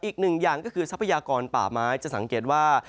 อีกหนึ่งอย่างก็คือทรัพยากรป่าไม้จะสังเกตว่า